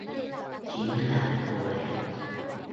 Chính là cô ấy